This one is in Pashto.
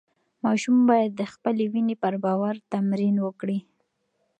ماشوم باید د خپلې وینې پر باور تمرین وکړي.